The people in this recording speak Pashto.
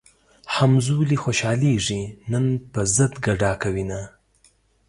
همزولي خوشحالېږي نن پۀ ضد ګډا کوينه